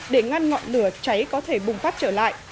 để ngăn ngọn lửa cháy có thể bùng phát trở lại